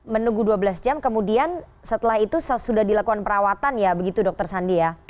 menunggu dua belas jam kemudian setelah itu sudah dilakukan perawatan ya begitu dokter sandi ya